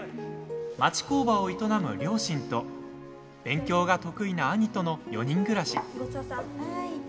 町工場を営む両親と勉強が得意な兄との４人暮らし。